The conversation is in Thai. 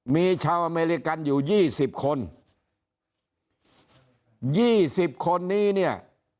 มีชาวอเมริกันอยู่ยี่สิบคนยี่สิบคนนี้เนี่ย